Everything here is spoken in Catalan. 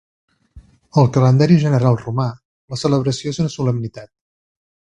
Al calendari general romà, la celebració és una solemnitat.